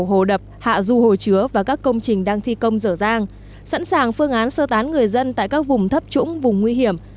hồ đập hạ du hồ chứa và các công trình đang thi công dở dang sẵn sàng phương án sơ tán người dân tại các vùng thấp trũng vùng nguy hiểm